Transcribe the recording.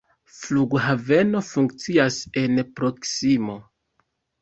Flughaveno funkcias en la proksimo.